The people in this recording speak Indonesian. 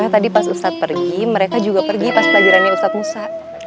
karena tadi pas ustadz pergi mereka juga pergi pas pelajarannya ustadz musa